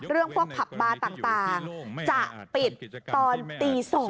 เรื่องพวกผับบ้านต่างจะปิดตอนตี๒